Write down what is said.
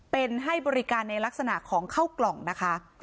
เป็นให้บริการในลักษณะของเข้ากล่องนะคะ